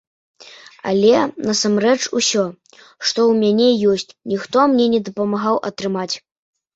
Але насамрэч усё, што ў мяне ёсць, ніхто мне не дапамагаў атрымаць.